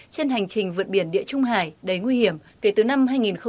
trên hành trình vượt biển địa trung hải đầy nguy hiểm kể từ năm hai nghìn một mươi